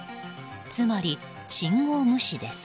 つまり、信号無視です。